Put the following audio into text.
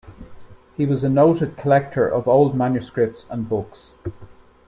He was a noted collector of old manuscripts and books.